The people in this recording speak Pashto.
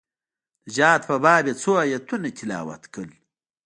د جهاد په باب يې څو ايتونه تلاوت کړل.